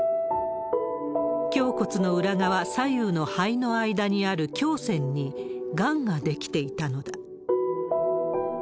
胸骨の裏側、左右の肺の間にある胸腺にがんが出来ていたのだ。